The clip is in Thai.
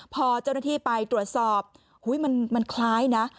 พอเจ้าหน้าที่ไปตรวจสอบมันคล้ายนะ